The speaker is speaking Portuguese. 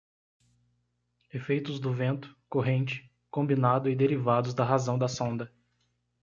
Efeitos do vento, corrente, combinado e derivados da razão da sonda.